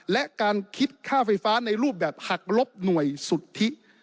และการคิดค่าไฟฟ้าในรูปแบบหักลบหน่วยสุทธิ